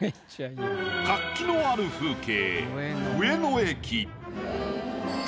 活気のある風景。